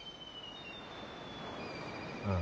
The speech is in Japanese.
ああ。